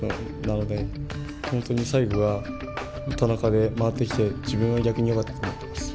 なので本当に最後は田中で回ってきて自分は逆によかったって思ってます。